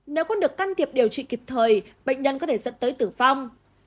nếu không được can thiệp điều trị kịp thời bệnh nhân có thể dẫn tới tử vong